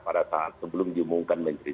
pada saat sebelum diumumkan menteri